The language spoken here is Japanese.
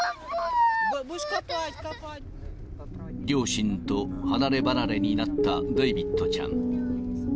両親と離れ離れになったデイビットちゃん。